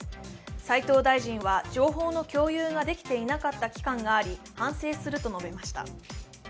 斉藤大臣は情報の共有ができていなかった期間があり、反省すると述べました。